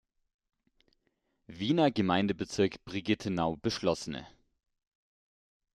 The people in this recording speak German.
Wiener Gemeindebezirk Brigittenau beschlossen.